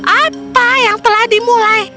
apa yang telah dimulai